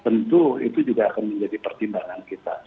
tentu itu juga akan menjadi pertimbangan kita